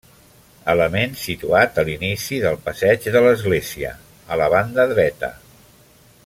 Element situat a l'inici del passeig de l'església, a la banda dreta.